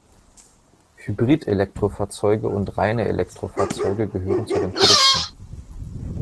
Hybrid-Elektrofahrzeuge und reine Elektrofahrzeuge gehören zu den Produkten.